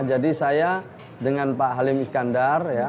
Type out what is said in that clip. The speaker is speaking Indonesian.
jadi saya dengan pak halim iskandar ya